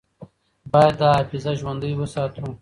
باید دا حافظه ژوندۍ وساتو.